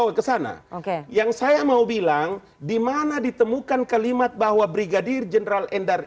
mau kesana oke yang saya mau bilang dimana ditemukan kalimat bahwa brigadir jenderal endar